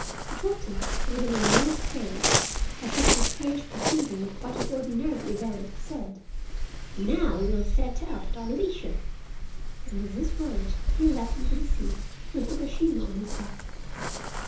The tortoise, with an unmoved face, as if this strange proceeding were quite an ordinary event, said: "Now we will set out at our leisure," and with these words he leapt into the sea with Urashima on his back.